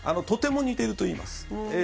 とても似ているといいます。